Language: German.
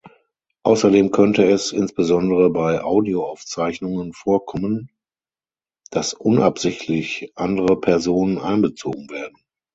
Außerdem könnte es, insbesondere bei Audio-Aufzeichnungen vorkommen, dass unabsichtlich andere Personen einbezogen werden.